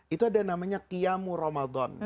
itu ada namanya kiamu ramadan